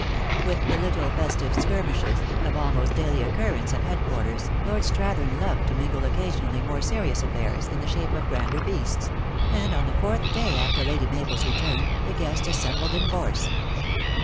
With the little festive skirmishes, of almost daily occurrences at headquarters, Lord Strathern loved to mingle occasionally more serious affairs, in the shape of grander feasts ; and on the fourth day after Lady Mabel s return, the guests assembled in force.